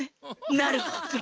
なるほど。